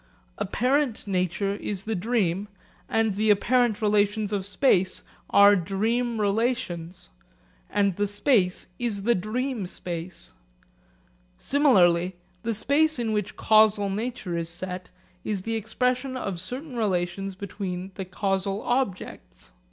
Apparent nature is the dream, and the apparent relations of space are dream relations, and the space is the dream space. Similarly the space in which causal nature is set is the expression of certain relations between the causal objects.